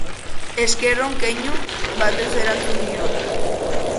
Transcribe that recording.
Esker on keinu batez erantzun nion.